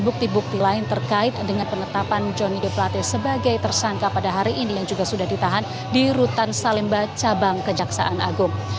bukti bukti lain terkait dengan penetapan johnny g plate sebagai tersangka pada hari ini yang juga sudah ditahan di rutan salemba cabang kejaksaan agung